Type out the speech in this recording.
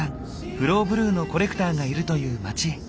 フローブルーのコレクターがいるという町へ。